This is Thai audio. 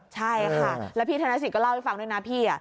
ใช่ค่ะแล้วพี่ธนสิทธิเล่าให้ฟังด้วยนะพี่